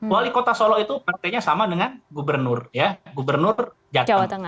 wali kota solo itu partainya sama dengan gubernur ya gubernur jateng